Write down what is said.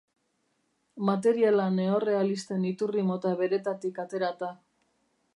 Materiala neorrealisten iturri mota beretatik aterata.